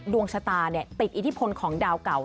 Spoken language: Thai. ดวงชะตาติดอิทธิพลของดาวเก่า